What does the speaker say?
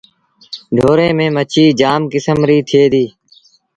ڍوري ميݩ مڇيٚ جآم ڪسم ريٚ ٿئي ديٚ۔